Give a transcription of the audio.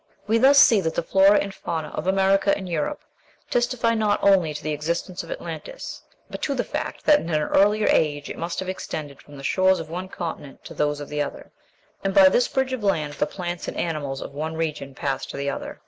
We thus see that the flora and fauna of America and Europe testify not only to the existence of Atlantis, but to the fact that in an earlier age it must have extended from the shores of one continent to those of the other; and by this bridge of land the plants and animals of one region passed to the other.